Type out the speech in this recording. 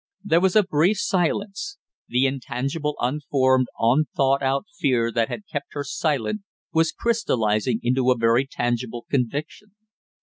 There was a brief silence. The intangible, unformed, unthoughtout fear that had kept her silent was crystallizing into a very tangible conviction.